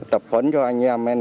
tập phấn cho anh em